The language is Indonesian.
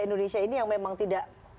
indonesia ini yang memang tidak